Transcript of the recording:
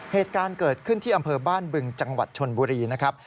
เหตุการณ์เกิดขึ้นที่อำเภอบ้านบึงจังหวัดชนบุรีนะครับ